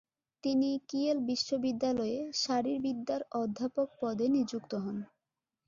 তিনি কিয়েল বিশ্ববিদ্যালয়ে শারীরবিদ্যার অধ্যাপক পদে নিযুক্ত হন।